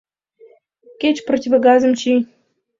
Кеч противогазым чий.